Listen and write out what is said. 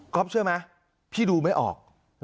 เชื่อไหมพี่ดูไม่ออก